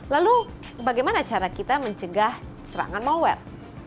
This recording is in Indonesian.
lalu bagaimana cara kita mencegah serangan malware